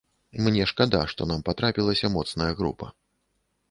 Мне шкада, што нам патрапілася моцная група.